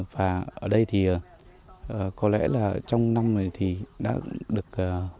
và ở đây thì có lẽ là trong năm này thì đã được một mươi bảy